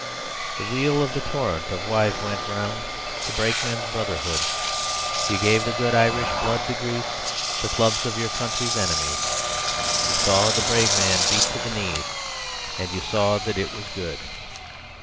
The wheel of the torrent of wives went round To break men's brotherhood; You gave the good Irish blood to grease The clubs of your country's enemies; you saw the brave man beat to the knees: And you saw that it was good.